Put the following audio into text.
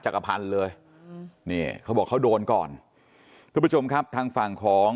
พันธุ์เลยอืมนี่เขาบอกเขาโดนก่อนทุกผู้ชมครับทางฝั่งของ